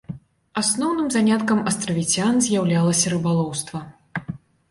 Асноўным заняткам астравіцян з'яўлялася рыбалоўства.